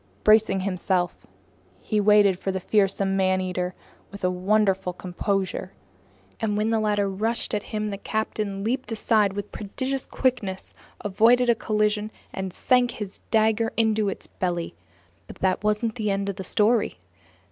Bracing himself, he waited for the fearsome man eater with wonderful composure, and when the latter rushed at him, the captain leaped aside with prodigious quickness, avoided a collision, and sank his dagger into its belly. But that wasn't the end of the story.